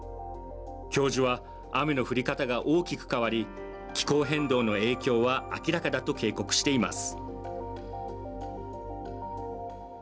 教授は雨の降り方が大きく変わり気候変動の影響は明らかだと警告しています。